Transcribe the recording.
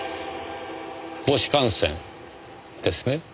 母子感染ですね。